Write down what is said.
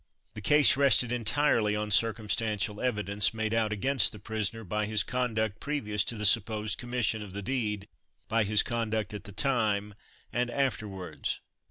The case rested entirely on circumstantial evidence, made out against the prisoner by his conduct previous to the supposed commission of the deed, by his conduct at the time and afterwards.